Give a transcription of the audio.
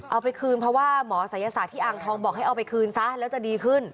เอาไปคืนเพราะว่าหมอศัยศาสตร์ที่อ่างทองบอกให้เอาไปคืนซะแล้วจะดีขึ้น